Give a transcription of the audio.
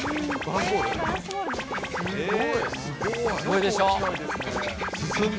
すごいでしょ。